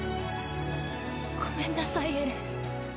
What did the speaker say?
ごめんなさい、エレン。